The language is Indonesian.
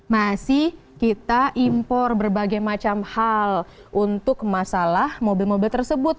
masih kita impor berbagai macam hal untuk masalah mobil mobil tersebut